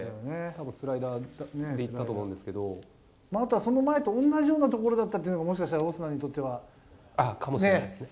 たぶんスライダーでいったと思うあとは、その前と同じような所だったっていうのが、もしかしたらオスナにとっては。かもしれないですね。